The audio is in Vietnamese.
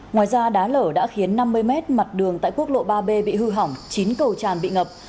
ngoài ra đá lở đã khiến năm mươi mét mặt đường tại quốc lộ ba b bị hư hỏng chín cầu tràn bị ngập